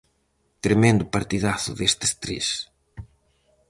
Tremendo partidazo destes tres.